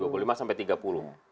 dua puluh lima sampai tiga puluh